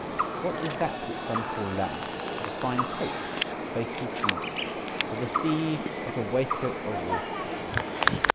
What is that which some call land but a fine coat faced with green, or the sea but a waistcoat of water tabby?